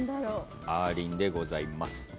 あーりんでございます。